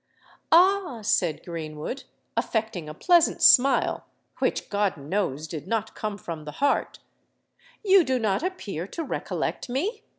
"Ah!" said Greenwood, affecting a pleasant smile, which, God knows! did not come from the heart; "you do not appear to recollect me?